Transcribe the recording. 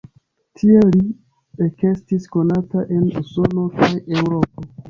Tiel li ekestis konata en Usono kaj Eŭropo.